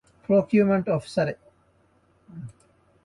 ޕްރޮކިއުމަންޓް އޮފިސަރ އެއް